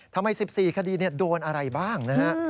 ทำไม๑๔คดีโดนอะไรบ้าง